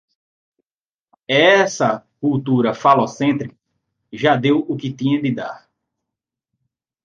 Esssa cultura falocêntrica já deu o que tinha de dar